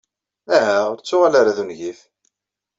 Aha, ur ttuɣal ara d ungif.